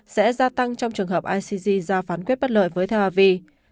sẽ gia tăng trong trường hợp icc ra phán quyết bất lợi với tel aviv